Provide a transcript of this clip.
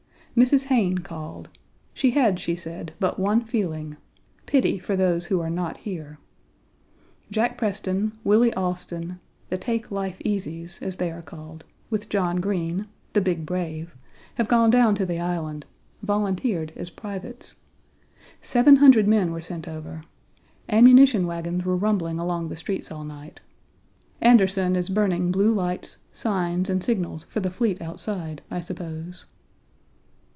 Mrs. Hayne called. She had, she said, but one feeling; pity for those who are not here. Jack Preston, Willie Alston, "the take life easys," as they are called, with John Green, "the big brave," have gone down to the islands volunteered as privates. Seven hundred men were sent over. Ammunition wagons were rumbling along the streets all night. Anderson is burning blue lights, signs, and signals for the fleet outside, I suppose.